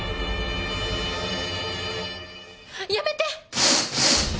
やめて！